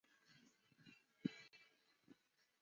匍枝毛茛为毛茛科毛茛属下的一个种。